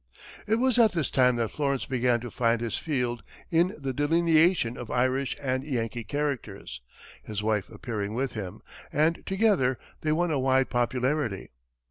It was at this time that Florence began to find his field in the delineation of Irish and Yankee characters, his wife appearing with him, and together they won a wide popularity.